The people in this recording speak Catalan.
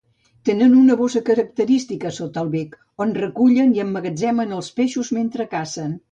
Tenen una bossa característica sota el bec, on recullen i emmagatzemen els peixos mentre cacen.